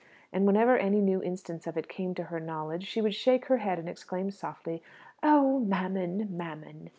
And whenever any new instance of it came to her knowledge, she would shake her head, and exclaim, softly, "Oh, Mammon, Mammon!"